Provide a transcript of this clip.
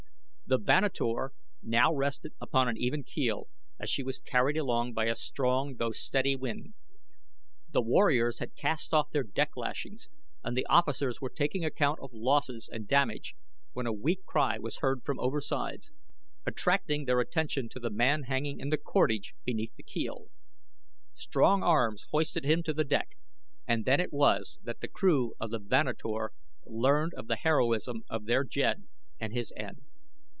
The Vanator now rested upon an even keel as she was carried along by a strong, though steady, wind. The warriors had cast off their deck lashings and the officers were taking account of losses and damage when a weak cry was heard from oversides, attracting their attention to the man hanging in the cordage beneath the keel. Strong arms hoisted him to the deck and then it was that the crew of the Vanator learned of the heroism of their jed and his end.